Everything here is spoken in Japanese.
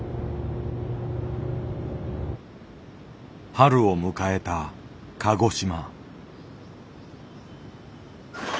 春を迎えた鹿児島。